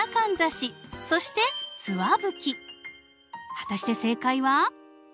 果たして正解は？